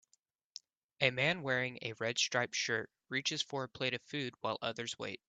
A man wearing a red striped shirt reaches for a plate of food while others wait.